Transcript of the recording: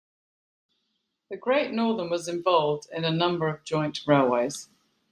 The Great Northern was involved in a number of joint railways.